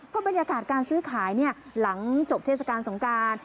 บรรยากาศการซื้อขายหลังจบเทศกาลสงการ